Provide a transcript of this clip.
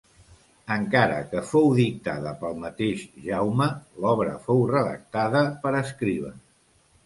Encara que fou dictada pel mateix Jaume, l'obra fou redactada per escribes.